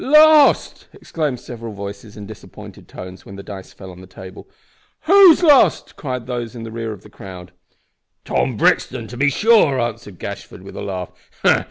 "Lost!" exclaimed several voices in disappointed tones, when the dice fell on the table. "Who's lost?" cried those in the rear of the crowd. "Tom Brixton, to be sure," answered Gashford, with a laugh.